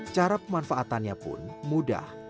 cara pemanfaatannya pun mudah